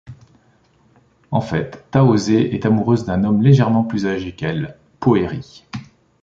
En fait, Tahoser est amoureuse d'un homme légèrement plus âgé qu'elle, Poëri.